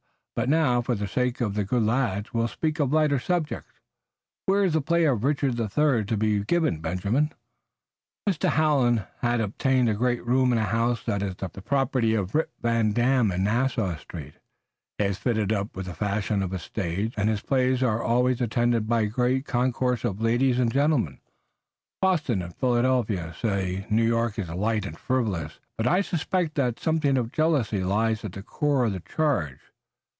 But now, for the sake of the good lads, we'll speak of lighter subjects. Where is the play of Richard III to be given, Benjamin?" "Mr. Hallam has obtained a great room in a house that is the property of Rip Van Dam in Nassau Street. He has fitted it up in the fashion of a stage, and his plays are always attended by a great concourse of ladies and gentlemen. Boston and Philadelphia say New York is light and frivolous, but I suspect that something of jealousy lies at the core of the charge.